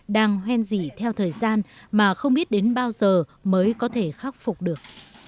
đang hoen dị theo thời gian mà không biết đến bao giờ mới có thể khắc phục được